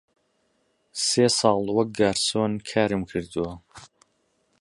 سێ ساڵ وەک گارسۆن کارم کردووە.